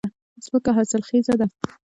ځمکه حاصلخېزه ده